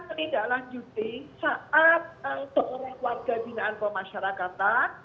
menindaklanjuti saat orang orang warga binaan pemasyarakatan